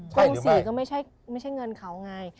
โกงศรีก็ไม่ใช่เงินเขาไง